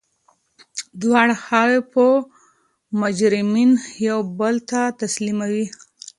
دواړه خواوي به مجرمین یو بل ته تسلیموي.